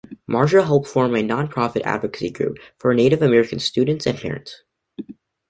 Marshall helped form a non-profit advocacy group for Native American students and parents.